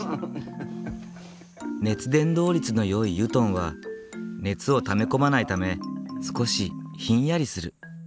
熱伝導率のよい油団は熱をため込まないため少しひんやりする。